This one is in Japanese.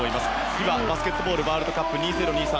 ではバスケットボールワールドカップ２０２３